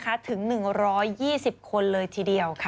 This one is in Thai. บอกว่าจากนี้ค่ะถึง๑๒๐คนเลยทีเดียวค่ะ